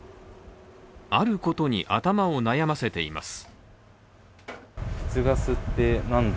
あることに頭を悩ませています。